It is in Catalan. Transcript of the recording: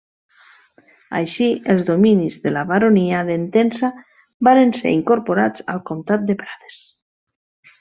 Així els dominis de la Baronia d'Entença varen ser incorporats al Comtat de Prades.